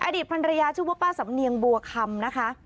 อดีตภรรยาชื่อว่าป้าสำเนียงบัวคำนะคะ